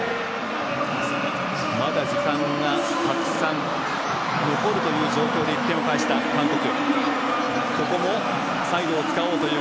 まだ時間がたくさん残るという状況で１点を返した韓国。